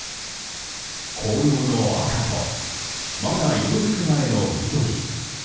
紅葉の赤と、まだ色づく前の緑。